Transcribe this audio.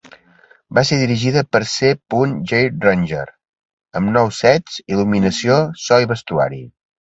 Va ser dirigida per C. Jay Ranger, amb nous sets, il·luminació, so i vestuari.